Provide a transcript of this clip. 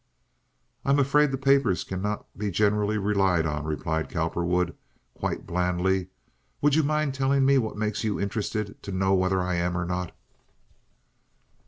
"I'm afraid the papers cannot be generally relied on," replied Cowperwood, quite blandly. "Would you mind telling me what makes you interested to know whether I am or not?"